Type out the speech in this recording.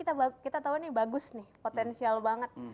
tapi kita tahu nih bagus nih potential banget